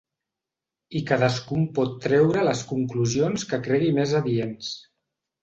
I cadascú en pot treure les conclusions que cregui més adients.